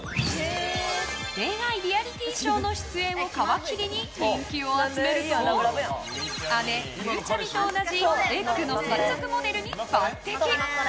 恋愛リアリティーショーの出演を皮切りに人気を集めると姉ゆうちゃみと同じ「ｅｇｇ」の専属モデルに抜擢！